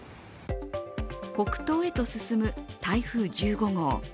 北東へと進む台風１５号。